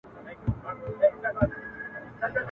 ته دي نظمونه د جانان په شونډو ورنګوه ..